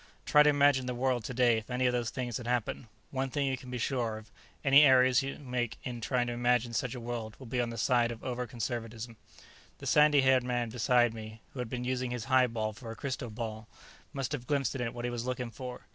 Try to imagine the world today if any of those things had happened. One thing you can be sure of any errors you make in trying to imagine such a world will be on the side of over conservatism." The sandy haired man beside me, who had been using his highball for a crystal ball, must have glimpsed in it what he was looking for.